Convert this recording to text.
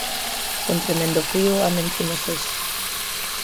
Con tremendo frío amencemos hoxe.